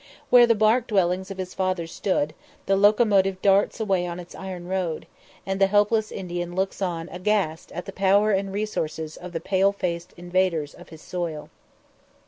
Where the bark dwellings of his fathers stood, the locomotive darts away on its iron road, and the helpless Indian looks on aghast at the power and resources of the pale faced invaders of his soil.